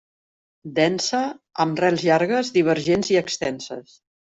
Densa, amb rels llargues, divergents i extenses.